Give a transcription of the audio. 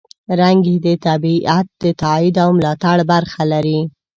رنګ یې د طبیعت د تاييد او ملاتړ برخه لري.